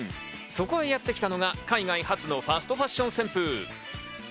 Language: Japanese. そこにやってきたのが海外発のファストファッション旋風。